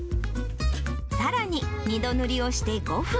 さらに、２度塗りをして５分。